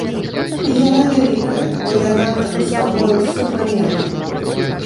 І яна вялікая, бо яна трансфармуе ўсю планету.